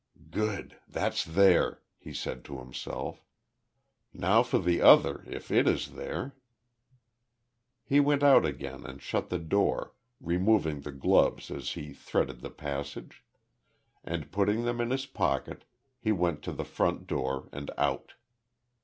"Good! That's there," he said to himself. "Now for the other, if it is there?" He went out again and shut the door, removing the gloves as he threaded the passage; and putting them in his pocket, he went to the front door and out.